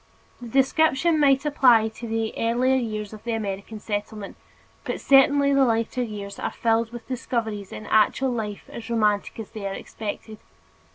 The description might apply to the earlier years of the American settlement, but certainly the later years are filled with discoveries in actual life as romantic as they are unexpected.